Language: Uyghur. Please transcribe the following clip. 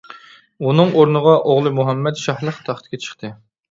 ئۇنىڭ ئورنىغا ئوغلى مۇھەممەد شاھلىق تەختكە چىقتى.